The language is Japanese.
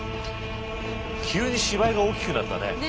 急に芝居が大きくなったね。